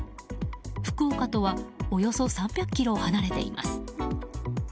福岡とはおよそ３００ｋｍ離れています。